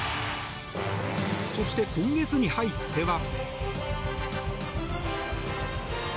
そして、今月に入っては。